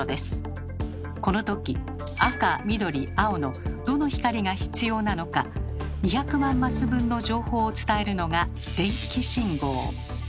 この時赤緑青のどの光が必要なのか２００万マス分の情報を伝えるのが「電気信号」。